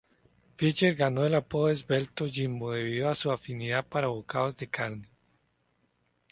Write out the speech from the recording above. Fisher Ganó el apodo Esbelto Jimbo debido a su afinidad para bocados de carne.